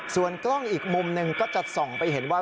ส่วนกล้องอีกมุมหนึ่งก็จะส่องไปเห็นว่า